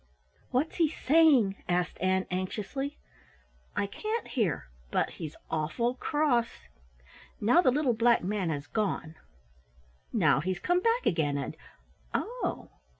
"What's he saying?" asked Ann anxiously. "I can't hear, but he's awful cross. Now the Little Black Man has gone now he's come back again, and oh!"